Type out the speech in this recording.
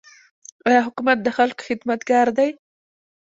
آیا حکومت د خلکو خدمتګار دی؟